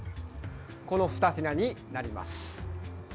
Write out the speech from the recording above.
この２品になります。